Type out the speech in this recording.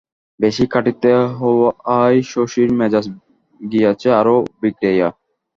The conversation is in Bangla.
বেশি খাঁটিতে হওয়ায় শশীর মেজাজ গিয়াছে আরও বিগড়াইয়া।